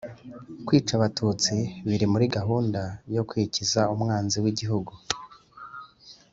kwica abatutsi biri muri gahunda yo kwikiza umwanzi w’igihugu